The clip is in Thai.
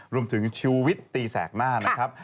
รวมถึงชีวิตตีแสกหน้านะครับ